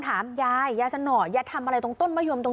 ไม่อยากให้แม่เป็นอะไรไปแล้วนอนร้องไห้แท่ทุกคืน